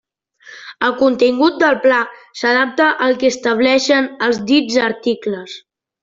El contingut del Pla s'adapta al que establixen els dits articles.